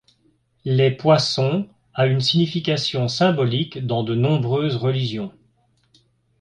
Les poissons a une signification symbolique dans de nombreuses religions.